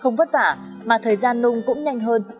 không vất vả mà thời gian nung cũng nhanh hơn